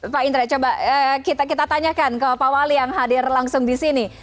pak indra coba kita tanyakan ke pak wali yang hadir langsung di sini